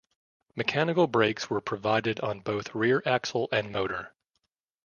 Mechanical brakes were provided on both rear axle and motor.